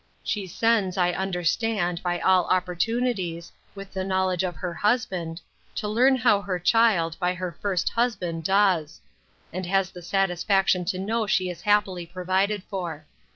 —She sends, I understand, by all opportunities, with the knowledge of her husband, to learn how her child, by her first husband, does; and has the satisfaction to know she is happily provided for.